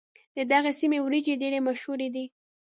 د دغې سيمې وريجې ډېرې مشهورې دي.